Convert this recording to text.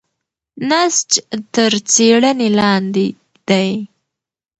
نسج تر څېړنې لاندې دی.